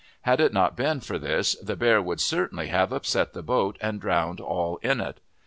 Had it not been for this, the bear would certainly have upset the boat and drowned all in it.